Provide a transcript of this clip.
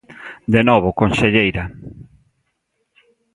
De novo, conselleira.